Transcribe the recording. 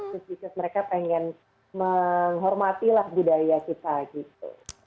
jadi mereka pengen menghormati lah budaya kita gitu